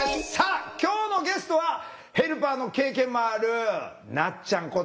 さあ今日のゲストはヘルパーの経験もあるなっちゃん